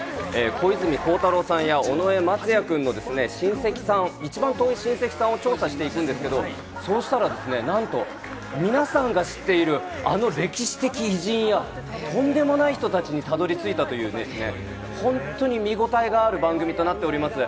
小泉孝太郎さんや尾上松也くんの親戚さん、一番遠い親戚さんを調査していくんですけれども、そうしたらですね、なんと皆さんが知っているあの歴史的偉人やとんでもない人たちにたどり着いたというですね、本当に見ごたえがある番組となっております。